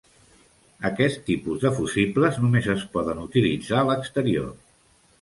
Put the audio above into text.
Aquest tipus de fusibles només es poden utilitzar a l'exterior.